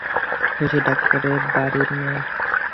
শশী ডাক্তারের বাড়ির মেয়ে।